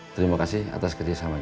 terima kasih atas kerjasamanya